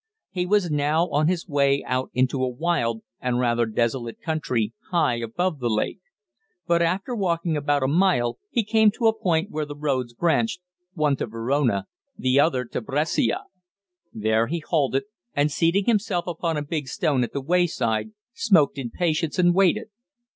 He was now on his way out into a wild and rather desolate country, high above the lake. But after walking about a mile he came to a point where the roads branched, one to Verona, the other to Brescia. There he halted, and, seating himself upon a big stone at the wayside, smoked in patience, and waited.